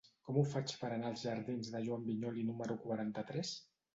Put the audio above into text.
Com ho faig per anar als jardins de Joan Vinyoli número quaranta-tres?